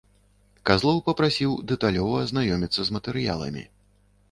Казлоў папрасіў дэталёва азнаёміцца з матэрыяламі.